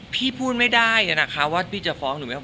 พี่พูดไม่ได้นะคะว่าพี่จะฟ้องหรือไม่